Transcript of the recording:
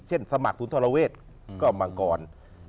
สมัครศูนย์ธรเวศก็มังกร